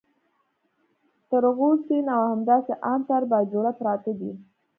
تر غو سین او همداسې ان تر باجوړه پراته دي.